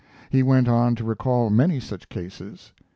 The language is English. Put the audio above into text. He went on to recall many such cases.